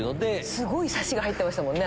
すごいサシが入ってましたもんね